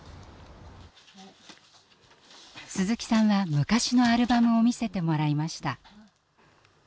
鈴木さんは昔のアルバムを見せてもらいました。